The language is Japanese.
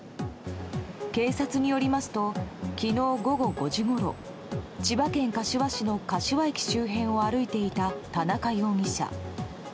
警察によりますと昨日、午後５時ごろ千葉県柏市の柏駅周辺を歩いていた田中容疑者。